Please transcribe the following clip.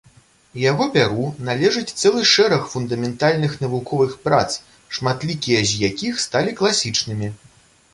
Яго пяру належыць цэлы шэраг фундаментальных навуковых прац, шматлікія з якіх сталі класічнымі.